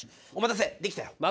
お待たせできたよ。